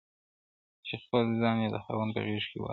چي خپل ځان یې د خاوند په غېږ کي ورکړ-